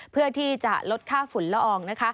เพื่อที่จะลดค่าฝุ่นละออง